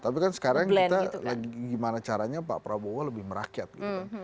tapi kan sekarang kita lagi gimana caranya pak prabowo lebih merakyat gitu kan